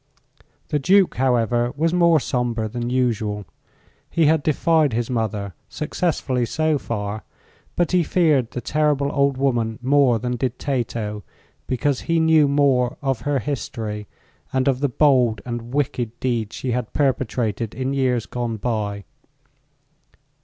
The Duke, however, was more sombre than usual. He had defied his mother, successfully, so far; but he feared the terrible old woman more than did Tato, because he knew more of her history and of the bold and wicked deeds she had perpetrated in years gone by.